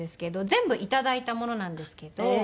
全部頂いたものなんですけど。